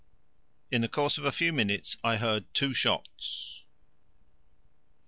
In the course of a few minutes I heard two shots.